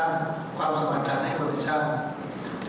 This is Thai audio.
มันจะถึงวิทยานยนต์หกศูนย์นะครับ